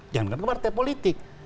jangan ke partai politik